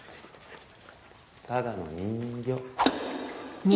ただの人形。